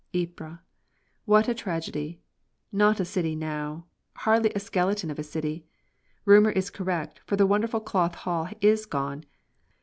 Ypres! What a tragedy! Not a city now; hardly a skeleton of a city. Rumour is correct, for the wonderful Cloth Hall is gone.